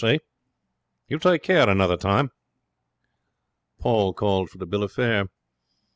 See? You take care another time.' Paul called for the bill of fare.